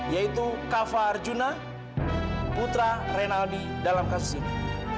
yaitu kava arjuna putra renaldi dalam kasus ini